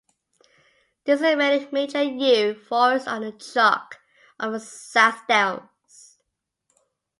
This is mainly mature yew forest on the chalk of the South Downs.